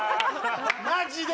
マジで！